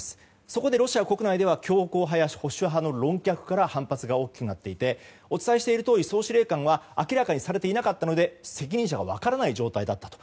そこでロシア国内では強硬派や保守派の論客から反発が大きくなっていてお伝えしているとおり総司令官は明らかにされていなかったので責任者は分からない状態だったと。